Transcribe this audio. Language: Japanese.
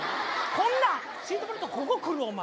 こんなんシートベルトここ来るお前。